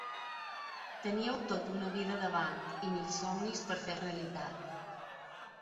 Teníeu tot una vida davant… i mil somnis per fer realitat.